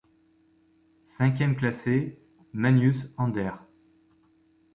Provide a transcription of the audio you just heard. Cinquième classé: Magnus Anders.